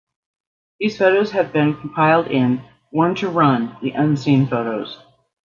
These photos have been compiled in "Born to Run: The Unseen Photos".